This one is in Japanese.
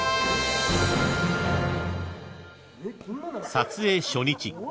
［撮影初日］